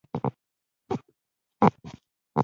غاب یې په ګوله پاک کړ، جبار خان ناستو خلکو ته مخ ور وګرځاوه.